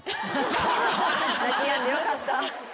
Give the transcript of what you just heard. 泣きやんでよかった。